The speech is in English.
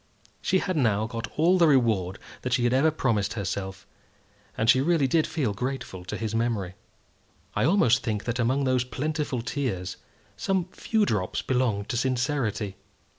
She had now got all the reward that she had ever promised herself, and she really did feel grateful to his memory. I almost think that among those plentiful tears some few drops belonged to sincerity.